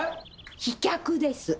飛脚です。